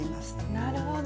なるほど。